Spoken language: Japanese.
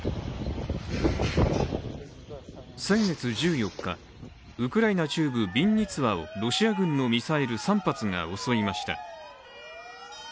先月１４日、ウクライナ中部ビンニツァをロシア軍のミサイル３発が襲いました。